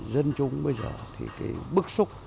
dân chúng bây giờ thì cái bức xúc